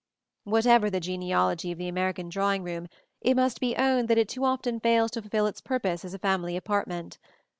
Whatever the genealogy of the American drawing room, it must be owned that it too often fails to fulfil its purpose as a family apartment.